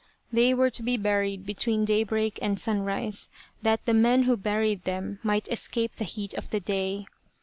They were to be buried between day break and sunrise, that the men who buried them might escape the heat of the day.